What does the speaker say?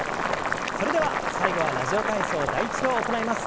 それでは最後は「ラジオ体操第１」を行います。